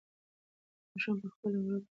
ماشوم په خپلو وړوکو قدمونو د غره لمنې ته ورسېد.